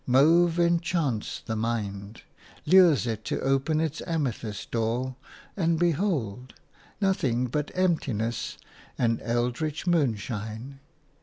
Mauve enchants the mind, lures it to open its amethyst door, and behold! nothing but emptiness and eldritch moonshine.